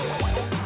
eh eh dapet dapet